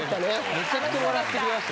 めちゃくちゃ笑ってきました。